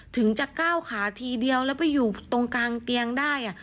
ถึงจะก้าวขาทีเดียวแล้วไปอยู่ตรงกลางเตียงได้